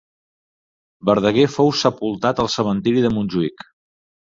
Verdaguer fou sepultat al cementiri de Montjuïc.